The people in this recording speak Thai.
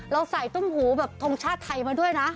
เราใส่ตุ้มหูแบบทรงชาติไทยมาด้วยนะ